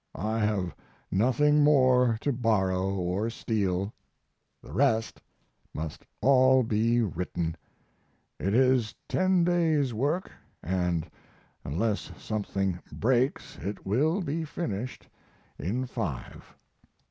I have nothing more to borrow or steal; the rest must all be written. It is ten days' work and unless something breaks it will be finished in five.